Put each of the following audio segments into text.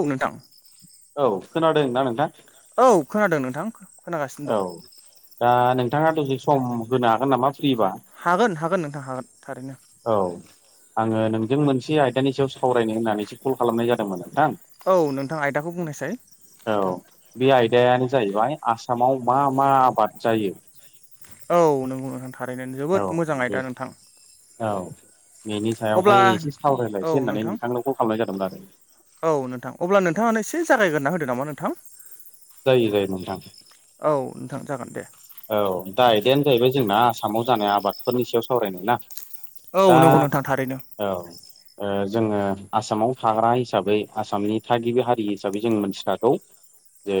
औ नोंथां औ खोनादों ना नोंथां औ खोनादों नोंथां खोनागासिनो औ दं दा नोंथाङा दसे सम होनो हागोन नामा? फ्रिबा हागोन हागोन नोंथां हागोन थारैनो औ आङो नोंजों मोनसे आयदानि सायाव सावरायनो होननानैसो कल खालामनाय जादोंमोन नोंथां औ नोंथां आयदाखौ बुंनायसाय औ बे आयदायानो जाहैबाय आसामाव मा मा आबाद जायो? औ नोंगौ नोंथां थारैनो औ जोबोद मोजां बे आयदा नोंथां औ बेनि अब्ला सायावहाय एसे औ सावरायलायसै होननानै नोंथां नोंथांनो कल खालामनाय जादोंमोन आरो औ नोंथां अब्ला नोंथाङानो एसे जागायग्रोना होदो नामा नोंथां जायो जायो नोंथां औ नोंथां जागोन दे । औ दा आयदायानो जाहैबाय जोंना आसामाव जानाय आबादफोरनि सायाव सावरायनाय ना औ दा नंगौ नोंथां थारैनो औ ओ । जोङो आसामाव थाग्रा हिसाबै आसामनि थागिबि हारि हिसाबै जों मिथिखागौ जे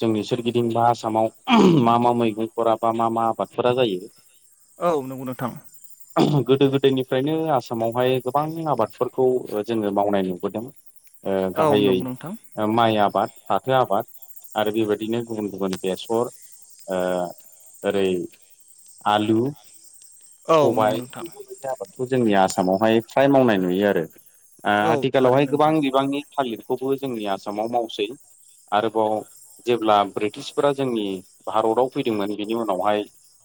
जोंनि सोरगिदिं बा आसामाव ओम मा मा मैगंफोरा बा मा मा आबादफोरा जायो । औ नंगौ नोंथां । गोदो गोदायनिफ्रायनो आसामावहाय गोबां आबादफोरखौ जोङो मावनाय नुबोदों ओ औ गाहायै नंगौ नोंथां माइ आबाद फाथो आबाद आरो बेबायदिनो गुबुन गुबुन बेसर ओ ओरै आलु औ नंगौ नोंथां। खौ जोंनि आसामावहाय फ्राय मावनाय नुयो आरो। ओ औ आथिखालावहाय थारैनो गोबां नोंथां बिबांनि थालिर खौबो जोंनि आसामाव मावसै आरोबाव जेब्ला ब्रिटिशफोरा जोंनि। भारताव फैदोंमोन। बिनि उनावहाय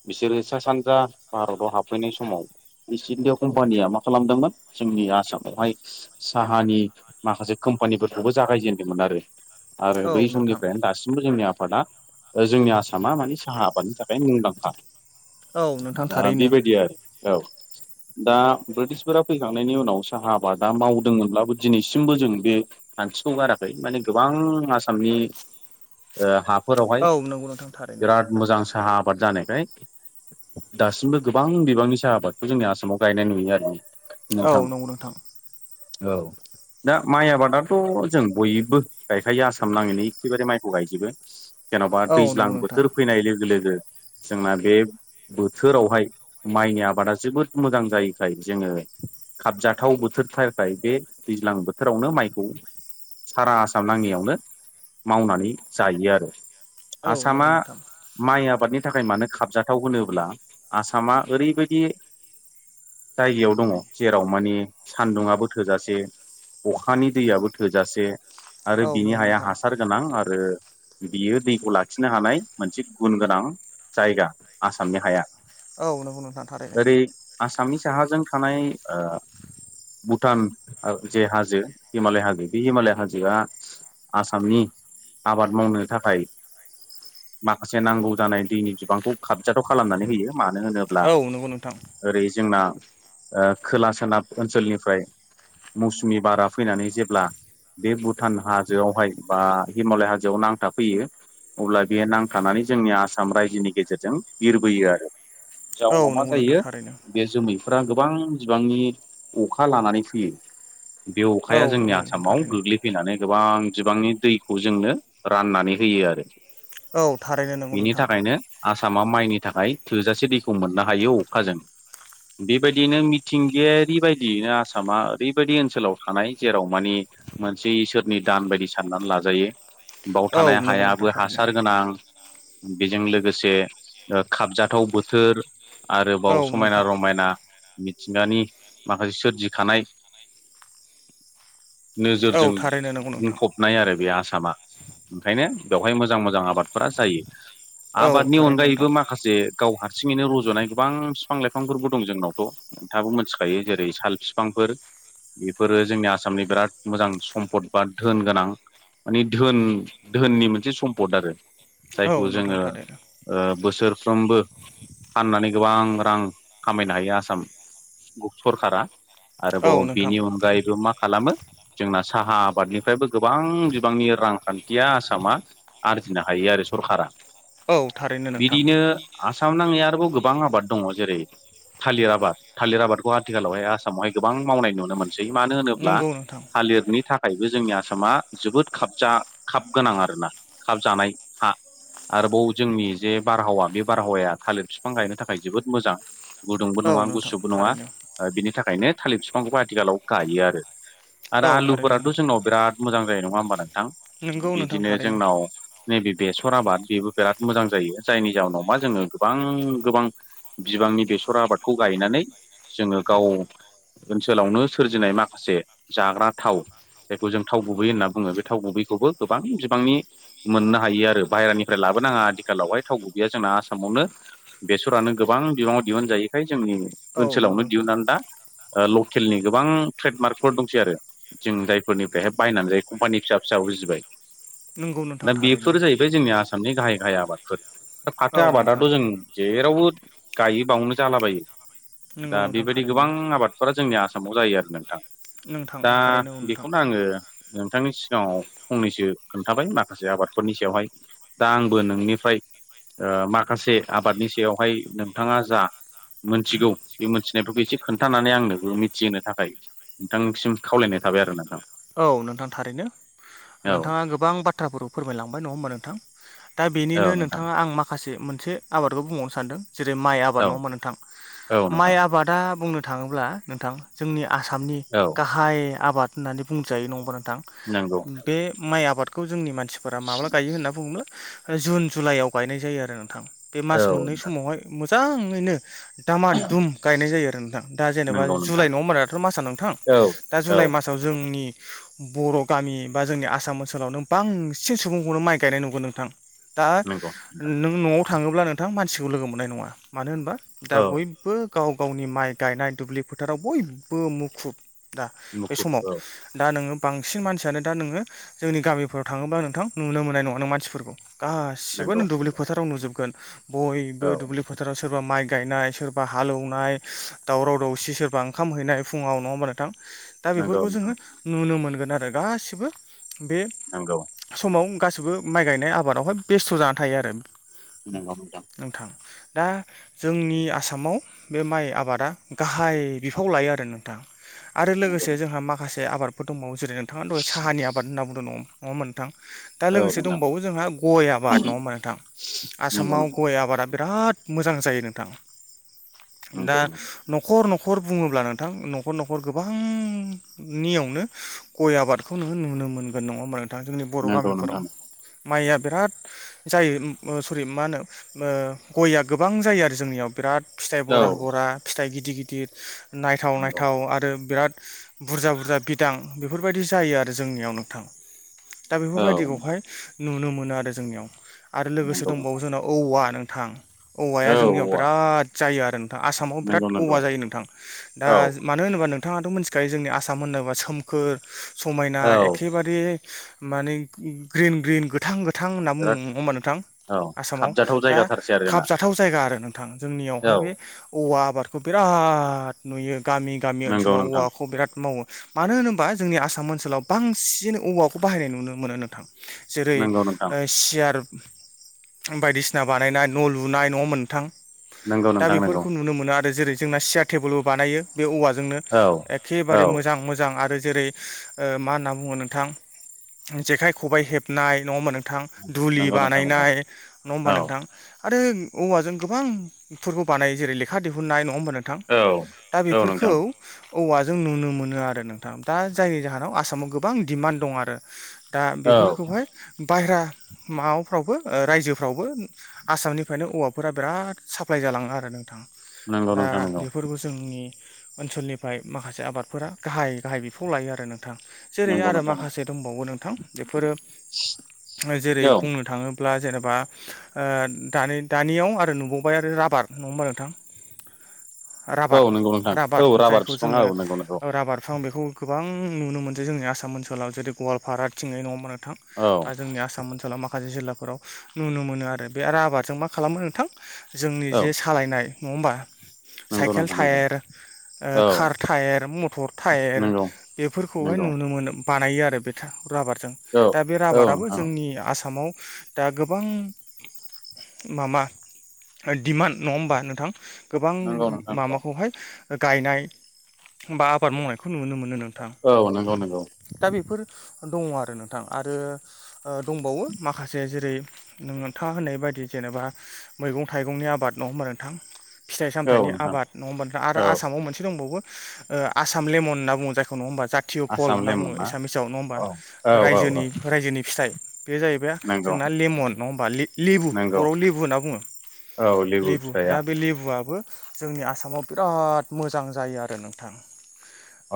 बिसोरो सा सानजा भारताव हाबफैनाय समाव बि‌ सिथ [unintelligible] कम्पानिया मा खालामदोंमोन। जोंनि आसामावहाय सा साहानि माखासे कम्पानि खौबो जागायजेनदोंमोन आरो। आरो औ बै नोंथां समनिफ्रायनो दासिमबो जोंनि आफादा ओ जोंनि आसाम। मा मानि साहा आबादनि थाखाय मुंदांखा। औ नोंथां ओ थारैनो बेबायदि आरो औ। दा ब्रिटिशफोरा फैखांनायनि उनाव साहा आबादा मावदोंमोनब्लाबो दिनैसिमबो जों बे। खान्थिखौ गाराखै माने गोबां आसामनि ओ हा औ नंगौ नोंथां। थारैनो बिराद मोजां साहाब। आबाद जानायखाय दासिमबो गोबां बिबांनि साहा आबादखौ जोंनि आसामाव गायनाय नुयो आरो। औ नंगौ नोंथां। औ। दा माइ आबादाथ' जों बयबो गायखायो आसाम नाङैनो एखेबारे माइखौ गायजोबो। जेन'बा औ दैज्लां नंगौ नोंथां बोथोर फैनाय लोगो लोगो। जोंना बे बोथोरावहाय माइनि आबादा जोबोद मोजां जायैखाय जोङो। खाबजाथाव बोथोर थाखाय बे दैज्लां बोथोरावनो माइखौ। सारा आसाम नाङैयावनो मावनानै जायो आरो। औ नंगौ आसामा नोंथां। माइ आबादनि थाखाय मानो खाबजाथाव होनोब्ला। आसामा ओरैबायदि। जायगायाव दङ। जेराव माने सान्दुङाबो थोजासे। अखानि दैयाबो थोजासे। आरो औ बिनि नंगौ हाया नोंथां हासार गोनां आरो बियो दैखौ लाखिनो हानाय। मोनसे गुन गोनां जायगा आसामनि हाया। औ नोंगौ नोथां थारैनो। ओरै आसामनि साहाजों थानाय ओ। भुटान ओ जे हाजो हिमालय हाजो बे हिमालय हाजोआ आसामनि। आबाद मावनो थाखाय। माखासे नांगौ जानाय दैनि बिबांखौ खाबजाथाव खालामनानै होयो। मानो होनोब्ला औ नंगौ नोंथां ओरै जोंना। ओ खोला सोनाब ओनसोलनिफ्राय मौसुमि बारा फैनानै जेब्ला। बे भुटान हाजोआवहाय बा हिमालय हाजोआव नांथाफैयो अब्ला। बे नांथानानै जोंनि आसाम रायजोनि गेजेरजों बिरबोयो आरो। औ जाउनाव मा नंगौ नोंथां जायो थारैनो बे जोमै फोरा गोबां बिबांनि अखा लानानै फैयो। बे औ अखाया जोंनि नंगौ नोंथां आसामाव थारैनो गोग्लैफैनानै गोबां। बिबांनि दैखौ जोंनो राननानै होयो आरो। औ थारैनो नंगौ बिनि नोंथां थाखायनो आ सामा माइनि थाखाय थोजासे दैखौ मोननो हायो अखाजों। बेबायदियैनो मिथिंगायारि बायदियैनो आसामा ओरैबायदि ओनसोलाव थानाय जेराव माने। मोनसे इसोरनि दान बायदि साननानै लाजायो बाव थानाय औ नंगौ नोंथां हायाबो हास थारैनो सार गोनां बेजों लोगोसे ओ खाबजाथाव बोथोर। औ आरोबाव समायना नोंथां रमायना। मिथिंगानि माखासे सोरजिखानाय। औ नोजोरजों थारैनो नंगौ नोंथां बुंफबनाय आरो बे आसामा ओंखायनो बेवहाय मोजां। मोजां मोजां आबादफोरा जायो। औ आबादनि थारैनो नोंथां अनगायैबो माखासे गाव हास हारथिङैनो रज'नाय गोबां बिफां लाइफांफोरबो दं। जोंनावथ'थाबो मिथिखायो जेरै साल बिफांफोर। बेफोरो जोंनि आसामनि बिराद मोजां सम्पद बा धोन गोनां। माने धोन धोननि मोनसे सम्पद आरो। औ जायखौ नोंथां जोङो थारैनो ओ बोसोरफ्रोमबो। फाननानै गोबां रां खामायनो हायो आसाम सरकारा‌। औ आरोबाव नोंथां बिनि अनगायैबो मा खालामो जोंना साहा आबादनिफ्रायबो गोबां बिबांनि रांखान्थिया आसामा आरजिनो हायो आरो सरकारा। औ थारैनो नोंथां बिदिनो आसाम नाङै आरो बाव गोबां आबाद दङ जेरै थालिर आबाद, थालिर आबादखौ आथिखालावहाय आसामावहाय गोबां मावनाय नुनो मोनो। सै मानो होनोब्ला नंगौ नोंथां थालिरनि थाख थाखायबो जोंनि आसामा जोबोद खाबजा खाब गोनां आरोना खाब जानाय हा। आरोबाव जोंनि जे बारहावा बे बारहावाया थालिर बिफां गायनो थाखाय जोबोद मोजां। गुदुंबो औ नङा नोंथां गुसुबो नङा थारैनो ओ बिनि थाखायनो थालिर बिफांखौ आथिखालाव गायो आरो। आरो औ थारैनो आलुफोराथ' नोंथां जोंनाव बिराद मोजां जायो नङा होमबा नोंथां नंगौ नोंथां बिदिनो थारैनो जोंनाव नैबे बेसर आबाद बेबो बिराद मोजां जायो जायनि जाहोनाव मा जोङो गोबां गोबां बिबांनि बेसर आबादखौ गायनानै जोङो गाव ओनसोलावनो सोरजिनाय माखासे जाग्रा थाव जायखौ जों थाव गुबै होनना बुङो बे थाव गुबैखौबो गोबां बि बिबांनि मोननो हायो आरो बाहेरानिफ्राय लाबोनाङा आथिखालावहाय थाव गुबैया जोंना आसामावनो बेसरानो गोबां बिबाङाव दिहुनजायैखाय जोंनि औ नंगौ ओनसोलावनो नोंथां दिहुननानै दा ओ लकेलनि गोबां ट्रेडमार्कफोर दंसै आरो जों जायफोरनिफ्रायहाय बायनानै जायो कम्पानि फिसा फिसा उजिबाय। नंगौ नोंथां दा थारैनो बेफोर जाहैबाय जोंनि आसामनि गाहाय गाहाय आबादफोर। औ फाथो नोंथां आबादाबो जों जेरावबो गायो बावनो जालाबायो। दा नंगौ नोंथां बेबायदि थारैनो गोबां आबादफोरा जोंनि आसामाव जायो आरो नोंथां। नोंथां दा थारैनो औ नोंथां बेखौनो आङो नोंथांनि सिगाङाव फंनैसो खोन्थाबाय माखासे आबादफोरनि सायावहाय दा आंबो नोंनिफ्राय ओ माखासे आबादनि सायावहाय नोंथाङा जा मोनथिगौ बे मोनथिनायफोरखौ एसे खोन्थानानै आंनो मिथिहोनो थाखाय नोंथांसिम खावलायनाय थाबाय आरो नोंथां। औ नोंथां थारैनो नोंथाङा गोबां बाथ्राफोरखौ फोरमायलांबाय नङा होमबा नोंथां? दा बेनिनो नोंथां नोंथाङा आं माखासे मोनसे आबादखौ बुंबावनो सानदों। जेरै माइ आबाद औ नङा होमबा नोंथां? औ माइ नोंथां आबादा बुंनो थाङोब्ला नोंथां जोंनि आसामनि औ नोंथां औ गाहाय आबाद होननानै बुंजायो नङा होमबा नोंथां नंगौ बे माइ आबादखौ खौ जोंनि मानसिफोरा माब्ला गायो होनना बुङोब्ला जुन जुलाइआव गायनाय जायो आरो नोंथां। बे औ मास मोननै नोंथां समावहाय मोजाङैनो दामा दुम गायनाय जायो आरो नोंथां दा जेनेबा नंगौ नोंथां जुलाइ नङम्बाराथ' मासआ नोंथां औ दा औ जुलाइ बे मासाव जोंनि बर' गामि बा जोंनि आसाम ओनसोलावनो बांसिन सुबुंखौनो माइ गायनाय नुगोन नोंथां। दा नंगौ नोंथां नों न'आव थाङोब्ला नोंथां मानसिखौ लोगो मोननाय नङा मानो होनोबा दा औ बयबो गाव गावनि माइ गायनाय दुब्लि फोथाराव बयबो मुखुब। दा बे मुखुब समाव। औ दा नोङो बांसिन मानसियानो दा नोङो जोंनि गामिफोराव थाङोबा नोंथां नुनो मोननाय नङा नों मानसिफोरखौ। गासिबो नंगौ नों दुब्लि नंगौ फोथाराव नुजोबगोन। औ बयबो दुब्लि फोथाराव सो। सोरबा माइ गायनाय सोरबा हालेवनाय दावराव दावसि सोरबा ओंखाम हैनाय फुङाव नङा होमबा नोंथां? दा नंगौ बेफोरखौ जोङो नोंथां नुनो मोनगोन आरो गासिबो बे नंगौ समाव गाससिबो माइ गायनाय आबादावहाय बेस्थ' जाना थायो आरो। नोंथां। दा जोंनि आसामाव बे माइ आबादा गाहाय बिफाव लायो आरो नोंथां। आरो नंगौ लोगोसे जोंहा माखासे आबादफोर दंबावो जेरै नोंथाङा दहाय साहानि आबाद होनना बुंदों नङामोन नोंथां? दा औ लोगोसे नोंथां दंबावो जोंहा गय आबाद नङा होनोमबा नोंथां। नंगौ आसामाव नोंथां गय आबादा बिराद मोजां जायो नोंथां। दा नंगौ न'खर न' न'खर बुङोब्ला नोंथां न'खर न'खर गोबांनियावनो गय आबादखौनो नुनो मोनगोन नङा होनोमबा नोंथाङा जोंनि बर' नंगौ गामिफोराव नोंथां माइ आ बिराद जायो सरि मा होनो ओ गया गोबां जायो आरो जोंनियाव बिराद फिथाइ औ बरा बरा फिथाइ गिदिर गिदिर नायथाव नंगौ नायथाव आरो बिराद बुरजा बुरजा बिदां बेफोरबायदि जायो आरो जोंनियाव नोंथां। दा औ बेफोरबायदिखौहाय नुनो मोनो आरो जोंनियाव आरो लोगोसे नंगौ दंबावो नोंथां जोंनाव औवा नों थां औवाया औ जोंनियाव औवा बिराद जायो आरो आसामाव बिराद नंगौ नंगौ औवा जायो नोंथां दा औ मानो होनोबा नोंथाङाथ' मिथिखायो जोंनि आसाम होनोबा सो खोमखोर समायना औ एखेबारे माने ग्रिन ग्रिन गोथां गो थां होनना बिराद बुङो होमबा नोंथां औ आसामाव खाबजाथाव दा जायगाथारसै आरो जोंना खाबजाथाव जायगा आरो नों थां जोंनियावहाय औ बे औवा आबादखौ बिराद नुयो। गामि गामि नंगौ ओनसोलाव नोंथां औवाखौ बिराद मावो। मानो होनोबा जोंनि आसाम ओनसोलाव बांसिन औवाखौ बाहायनाय नुनो मोनो नोंथां। जेरै नंगौ नोंथां ओ सियार बायदिसिना बानायनाय न' लुनाय नङा होमबा नोथां। नंगौ दा नोंथां नंगौ बेफोरखौ नुनो मोनो आरो जेरै जोंना सियार टेबोलबो बानायो बे औवा जोंनो औ एखेबारे औ मोजां मोजां। आरो जेरै ओ मा होनना बुङो नोंथां जेखाइ खबाइ हेबनाय नङा होनबा नों नोंथां दुलि नंगौ नोंथां नंगौ बानायनाय नङा होमबा औ नोंथां। आरो औवाजों गोबां फोरबो बानाय जेरै लेखा दिहुननाय न ङा होमबा नोंथां दा औ औ बेफोरखौ नोंथां औवाजों नुनो मोनो आरो नों थां दा जाय जाहोनाव आसामाव गोबां दिडमान्ड दं आरो दा औ बेफोरखौहाय बायरा मावफ्रावबो ओ रायजोफ्रावबो आसामनिफ्रायनो औवाफोरा बिराद साप्लााय जा लाङो आरो नोंथां। नंगौ दा नोंथां नंगौ बेफोरखौ जोंनि ओनसोलनिफ्राय माखासे आबादफोरा गाहाय गाहाय बिफाव लायो आरो नों थां जेरै नंगौ आरो नोंथां माखासे दंबावो नोंथां बेफोरो जेरै औ बुंनो थाङो ब्ला जेनेबा ओ दानि दानियाव आरो नुबावबाय आरो राबार नङोमबा नोंथां। [unintelligible] राबार औ नंगौ नोंथां राबार औ जायखौ बिफां जोङो औ नंगौ नंगौ राबार बेखौ गोबां नुनो मोनसो जोंनि आसाम ओनसोलाव जेरै गवालपारा थिङै नङा होमबा नो नोंथां औ दा जोंनि आसाम ओनसोलाव माखासे जिल्लाफोराव नुनो मोनो आरो बे रबादजों मा खालामो नोंथां। जोंनि औ जे सालायनाय नङा होमबा। नंगौ साइकेल नोंथां नंगौ टायार ओ औ कार टायार मटर टायेर नंगौ बेफोरखौहाय नंगौ नुनो मोनो बानायो आरो बे राबारजों औ दा बे औ राबाराबो नोंथां जोंनि आसामाव दा गोबां मामा डिमान्ड नङा होमबा नोंथां गोबां नंगौ नोंथां नंगौ मामाखौहाय गायनाय बा आबाद मावनायखौ नुनो मो नो नोंथां औ नंगौ नंगौ दा बेफोर दङ आरो नोंथां आरो ओ दंबावो माखासे जेरै नोंथाङा होननाय बा बायदि जेनेबा मैगं थाइगंनि आबाद नङा होनबा नोंथां। फिथाइ औ सामथायाइनि नोंथां आबाद नङा होमब नोंथां आरो औ आसामाव मोनसे दंबावो ओ आसाम लेमन होनना बुङो जायखौ नङा होमबा। जातिय फल आसाम होनना बुङो लेमन ना एसामिसाव नङा होमबा औ औ औ रजोनि औ रायजोनि फिथाइ। बे जाहैबाय नंगौ जोंना लेमन नङा होमबा लि लिबु नंगौ बर'आव लिबु होनना बुङो। औ लेबु दा फिथाइया बे लेबुआबो जोंनि आसामाव बिराद मोजां जायो आरो नोंथां।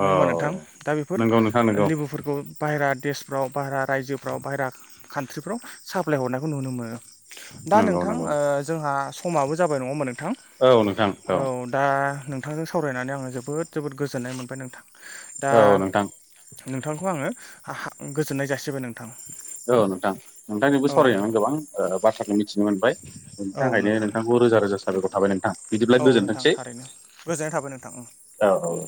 औ होमबा नोंथां दा बेफोर नंगौ नोंथां नंगौ लेबुफोरखौ बायहेरा देशफ्राव बायेरा रायजोफ्राव बायहेरा कान्ट्रिफ्राव साप्लाय हरनायखौ नुनो मोनो। दा नंगौ नोंथां नंगौ ओ जोंहा समाबो जाबाय नङा होमबा नों थां औ नोंथां औ दा नोंथांजों सावरायनानै आङो जोबोद जोबोद गोजोननाय मोनबाय नोंथां। दा औ नोंथां। नोंथांखौ आङो हा हा गोजोननाय जासिबाय नों औ नोंथां नोंथांजोंबो सावरायनायाव गोबां ओ बाथ्राखौ मिथिनो मोनबाय बेनि औ थाखायनो नोंथां नोंथांखौ रोजा रोजा साबायखर थाबाय नोंथां बिदिब्ला औ नोंथां गोजोनथोंसै। थारैनो गोजोननाय थाबाय नोंथां औ औ।